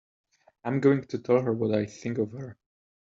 I'm going to tell her what I think of her!